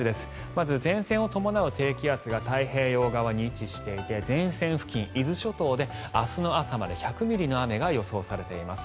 まず前線を伴う低気圧が太平洋側に位置していて前線付近、伊豆諸島で明日の朝まで１００ミリの雨が予想されています。